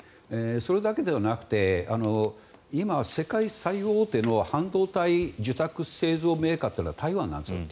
それだけではなくて今、世界最大手の半導体受託製造メーカーというのは台湾なんです。